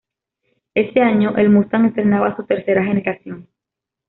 Ese año, el Mustang estrenaba su tercera generación.